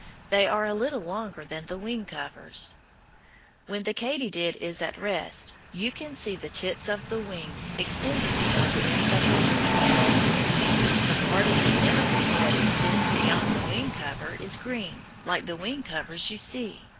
They are a little longer than the wing covers. When the katydid is at rest you can see the tips of the wings extending beyond the ends of the wing covers. The part of the inner wing that extends beyond the wing covers is green, like the wing covers, you see.